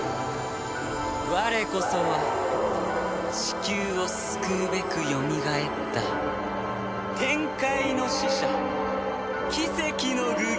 我こそはチキューを救うべくよみがえった天界の使者奇跡の具現！